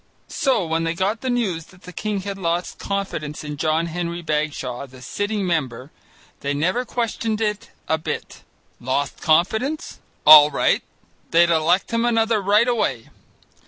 So when they got the news that the king had lost confidence in John Henry Bagshaw, the sitting member, they never questioned it a bit. Lost confidence? All right, they'd elect him another right away.